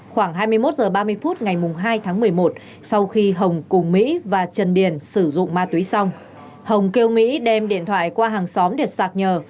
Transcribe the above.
khoảng hai mươi một h ba mươi phút ngày hai tháng một mươi một sau khi hồng cùng mỹ và trần điền sử dụng ma túy xong hồng kêu mỹ đem điện thoại qua hàng xóm để sạc nhờ